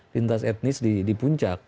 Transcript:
lintas etnis di puncak